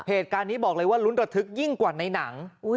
เหตุการณ์นี้บอกเลยว่าลุ้นระทึกยิ่งกว่าในหนัง